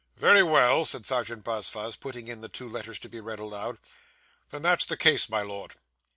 'Very well,' said Serjeant Buzfuz, putting in the two letters to be read, 'then that's my case, my Lord.